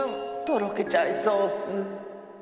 とろけちゃいそうッス。